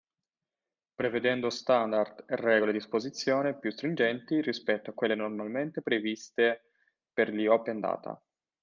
Prevedendo standard e regole di esposizione più stringenti rispetto a quelle normalmente previste per gli Open Data.